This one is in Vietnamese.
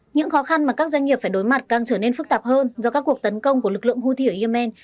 những khó khăn mà các doanh nghiệp phải đối mặt càng trở nên phức tạp hơn do các cuộc tấn công của lực lượng houthi ở yemen